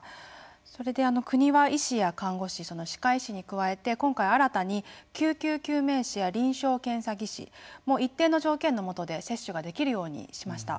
それで国は医師や看護師歯科医師に加えて今回新たに救急救命士や臨床検査技師も一定の条件のもとで接種ができるようにしました。